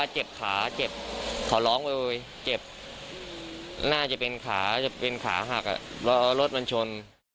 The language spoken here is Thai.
เจ็บน่าจะเป็นขาขาหักอะรถมันชน